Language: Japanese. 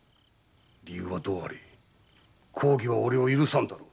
理由はどうあれ公儀はおれを許さんだろう。